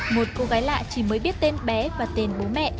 một cô gái lạ chỉ mới biết tên bé và tên bố mẹ